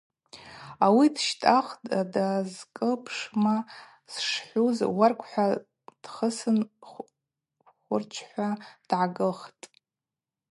Ауи дщтӏалтӏ, дазкӏылпшма шсхӏвуз уаргв – хӏва дхысын хвырчвхӏва дгӏагылхтӏ.